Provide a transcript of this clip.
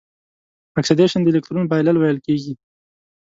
اکسیدیشن د الکترون بایلل ویل کیږي.